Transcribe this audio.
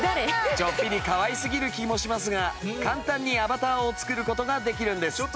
ちょっぴりかわいすぎる気もしますが簡単にアバターを作る事ができるんです。